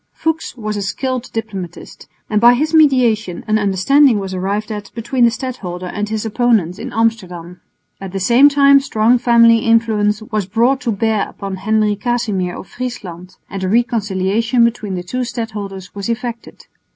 Fuchs was a skilled diplomatist, and by his mediation an understanding was arrived at between the stadholder and his opponents in Amsterdam. At the same time strong family influence was brought to bear upon Henry Casimir of Friesland, and a reconciliation between the two stadholders was effected.